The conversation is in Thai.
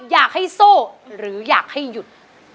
อยากให้สู้หรืออยากให้หยุด